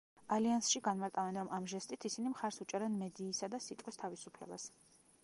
ალიანსში განმარტავენ, რომ ამ ჟესტით, ისინი მხარს უჭერენ მედიისა და სიტყვის თავისუფლებას.